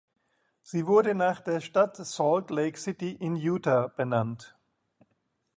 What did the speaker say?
Sie wurde nach der Stadt Salt Lake City in Utah benannt.